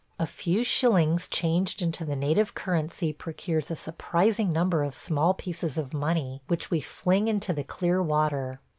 A few shillings changed into the native currency procures a surprising number of small pieces of money, which we fling into the clear water.